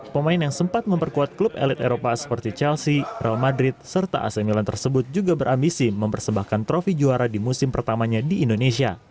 pemain yang sempat memperkuat klub elit eropa seperti chelsea real madrid serta ac milan tersebut juga berambisi mempersembahkan trofi juara di musim pertamanya di indonesia